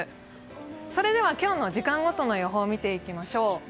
それでは今日の時間ごとの予報を見ていきましょう。